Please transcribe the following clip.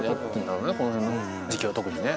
この辺の時期は特にね。